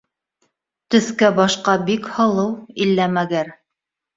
Төҫкә- башҡа бик һылыу иллә мәгәр